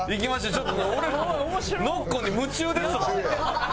ちょっと俺らもノッコンに夢中ですわ。